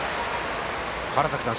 川原崎さん